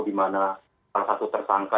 dimana salah satu tertangka